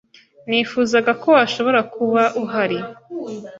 Nifuzaga ko washobora kuba uhari.